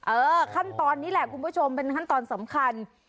ขั้นตอนนี้แหละคุณผู้ชมเป็นขั้นตอนสำคัญ